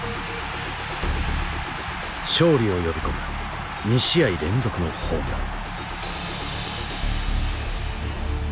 勝利を呼び込む２試合連続のホームラン。